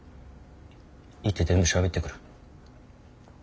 行って全部しゃべってくる。